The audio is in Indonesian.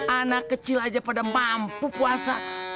anak kecil aja pada mampu puasa